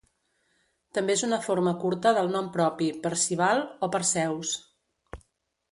També és una forma curta del nom propi Percival o Perseus.